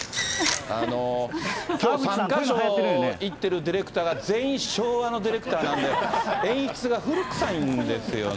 きょう、３か所行ってるディレクターが全員、昭和のディレクターなんで、演出が古臭いんですよね。